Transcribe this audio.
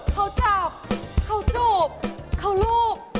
เขาจับเขาจูบเขาลูก